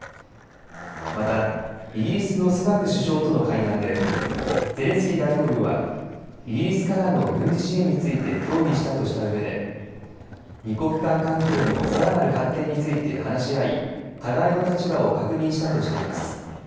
またイギリスのスナク首相との会談でゼレンスキー大統領はイギリスからの軍事支援について協議したとした上で二国間関係のさらなる発展について話し合い互いの立場を確認したとしています。